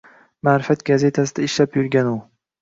Ma’rifat gazetasida ishlab yurgan u.